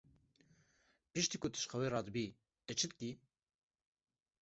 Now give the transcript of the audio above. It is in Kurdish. Piştî ku tu ji xewê radibî, tu çi dikî?